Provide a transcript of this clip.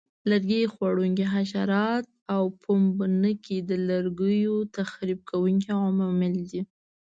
لرګي خوړونکي حشرات او پوپنکي د لرګیو تخریب کوونکي عوامل دي.